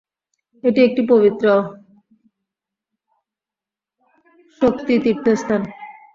এটি একটি পবিত্র শাক্ত তীর্থস্থান।